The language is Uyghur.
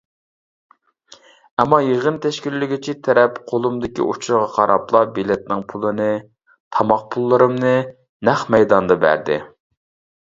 ئەمما يىغىن تەشكىللىگۈچى تەرەپ قۇلۇمدىكى ئۇچۇرغا قاراپلا بېلەتنىڭ پۇلىنى، تاماق پۇللىرىمنى نەق مەيداندا بەردى.